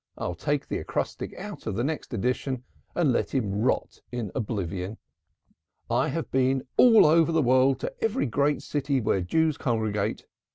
I'll take the acrostic out of the next edition and let him rot in oblivion. I have been all over the world to every great city where Jews congregate.